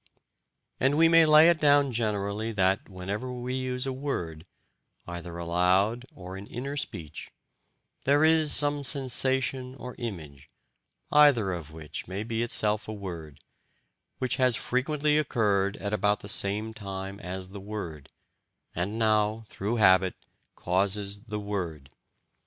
And we may lay it down generally that, whenever we use a word, either aloud or in inner speech, there is some sensation or image (either of which may be itself a word) which has frequently occurred at about the same time as the word, and now, through habit, causes the word.